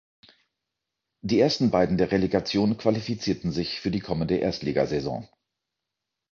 Die ersten beiden der Relegation qualifizierten sich für die kommende Erstligasaison.